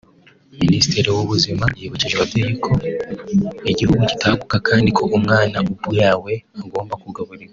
Minisitiri w’Ubuzima yibukije ababyeyi ko igihugu kitaguka kandi ko umwana ubyawe agomba kugaburirwa